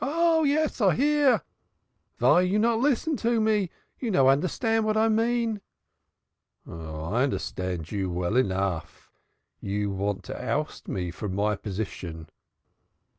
"Yes, I hear. Vy you not listen to me? You no understand vat I mean!" "Oh, I understand you well enough. You want to oust me from my position."